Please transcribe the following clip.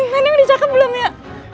nenek udah cakep belum ya